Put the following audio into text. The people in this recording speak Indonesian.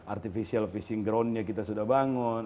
artificial fishing ground nya kita sudah bangun